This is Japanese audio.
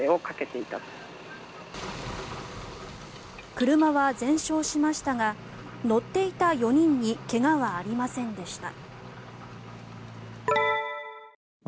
車は全焼しましたが乗っていた４人に怪我はありませんでした。